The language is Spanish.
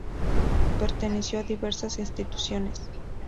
Perteneció a diversas instituciones.